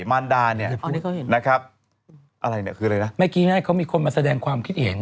แม่กี่น่ะเขามีคนมาแสดงความคิดเอง